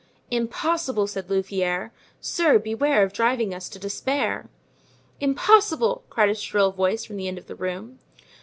"Impossible!" said Louvieres; "sir, beware of driving us to despair." "Impossible!" cried a shrill voice from the end of the room.